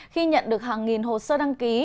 khi nhận được hàng nghìn hồ sơ đăng ký